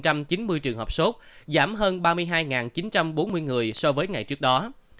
các trường hợp sốt giảm hơn ba mươi hai chín trăm bốn mươi người so với ngày trước đó